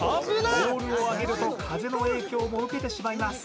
ボールをあげると風の影響も受けてしまいます